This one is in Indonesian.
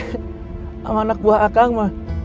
sama anak buah akang mah